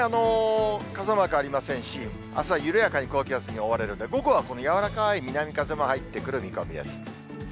傘マークありませんし、朝、緩やかに高気圧に覆われるんで、午後はこの柔らかい南風も入ってくる見込みです。